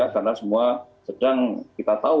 karena semua sedang kita tahu